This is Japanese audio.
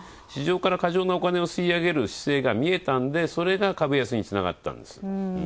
市場から非常なお金を吸い上げる姿勢が見えたんで、それが株安につながったんです。